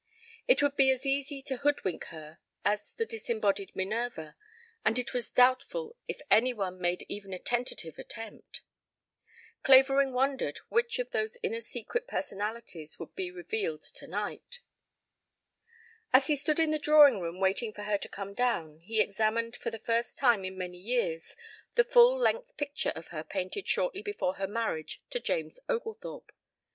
It would be as easy to hoodwink her as the disembodied Minerva, and it was doubtful if any one made even a tentative attempt. Clavering wondered which of those inner secret personalities was to be revealed tonight. As he stood in the drawing room waiting for her to come down he examined for the first time in many years the full length picture of her painted shortly before her marriage to James Oglethorpe.